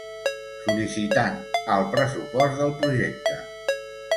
Sol·licitant al pressupost del projecte.